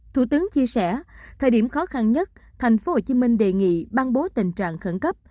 thủ tướng chia sẻ thời điểm khó khăn nhất thành phố hồ chí minh đề nghị ban bố tình trạng khẩn cấp